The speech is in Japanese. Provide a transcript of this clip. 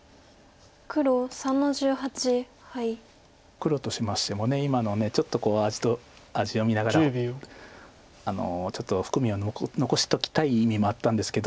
黒としましても今のちょっと味を見ながらちょっと含みを残しときたい意味もあったんですけど。